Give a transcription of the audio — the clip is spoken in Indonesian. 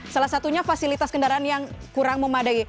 salah satunya fasilitas kendaraan yang kurang memadai